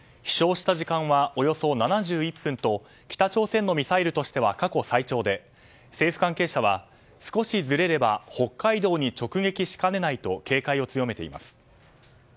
飛翔した時間はおよそ７１分と北朝鮮のミサイルとしては過去最長で、政府関係者は少しずれれば北海道に直撃しかねないと警戒を強めています。